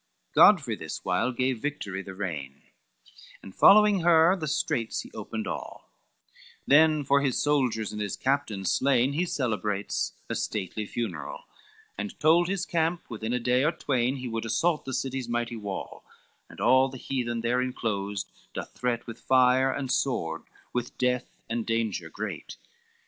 LVII Godfrey this while gave victory the rein, And following her the straits he opened all; Then for his soldiers and his captains slain, He celebrates a stately funeral, And told his camp within a day or twain He would assault the city's mighty wall, And all the heathen there enclosed doth threat, With fire and sword, with death and danger great.